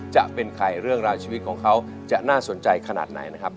จะเป็นใครเรื่องราวชีวิตของเขาจะน่าสนใจขนาดไหนนะครับ